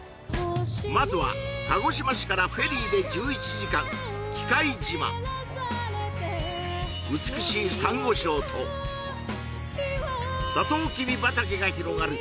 まずは鹿児島市からフェリーで１１時間美しいサンゴ礁とさとうきび畑が広がる